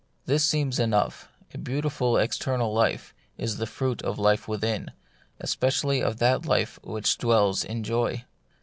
This seems enough : a beautiful external life is the fruit of life within, especially of that life which dwells in joy.